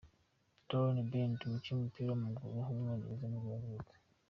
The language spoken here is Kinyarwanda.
Darren Bent, umukinnyi w’umupira w’amaguru w’umwongereza nibwo yavutse.